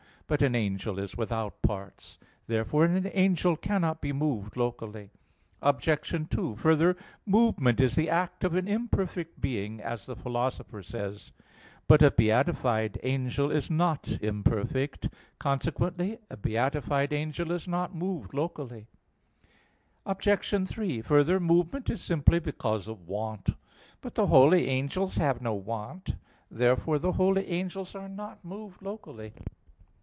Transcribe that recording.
_ But an angel is without parts. Therefore an angel cannot be moved locally. Obj. 2: Further, movement is "the act of an imperfect being," as the Philosopher says (Phys. iii, text 14). But a beatified angel is not imperfect. Consequently a beatified angel is not moved locally. Obj. 3: Further, movement is simply because of want. But the holy angels have no want. Therefore the holy angels are not moved locally.